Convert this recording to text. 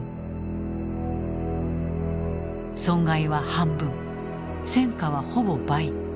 損害は半分戦果はほぼ倍。